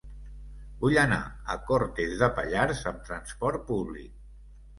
Vull anar a Cortes de Pallars amb transport públic.